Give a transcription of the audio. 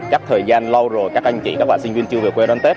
chắc thời gian lâu rồi các anh chị các bạn sinh viên chưa về quê đón tết